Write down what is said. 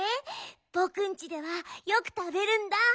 ぼくんちではよくたべるんだ。